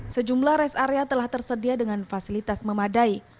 sejumlah rest area telah tersedia dengan fasilitas memadai